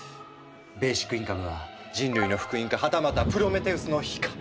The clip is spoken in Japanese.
ベーシックインカムは人類の福音かはたまたプロメテウスの火か。